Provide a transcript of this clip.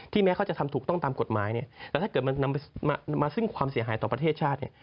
แม้เขาจะทำถูกต้องตามกฎหมายเนี่ยแล้วถ้าเกิดมันนำมาซึ่งความเสียหายต่อประเทศชาติเนี่ย